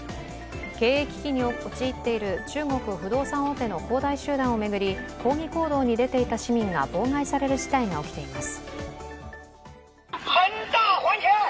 経営危機に陥っている中国不動産大手の恒大集団を巡り抗議行動に出ていた市民が妨害される事態が起きています。